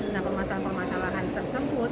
nah permasalahan permasalahan tersebut